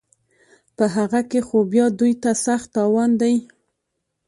په هغه کې خو بیا دوی ته سخت تاوان دی